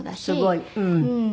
すごい。